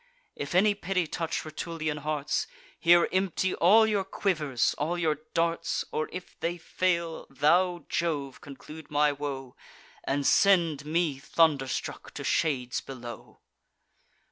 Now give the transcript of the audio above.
If any pity touch Rutulian hearts, Here empty all your quivers, all your darts; Or, if they fail, thou, Jove, conclude my woe, And send me thunderstruck to shades below!"